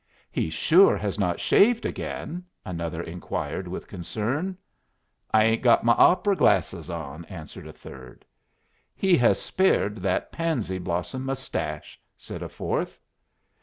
"He sure has not shaved again?" another inquired, with concern. "I ain't got my opera glasses on," answered a third. "He has spared that pansy blossom mustache," said a fourth.